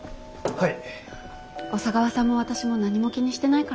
はい。